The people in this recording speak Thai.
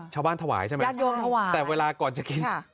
ชาวบ้านถวายใช่ไหมญาติโยมถวายแต่เวลาก่อนจะกิน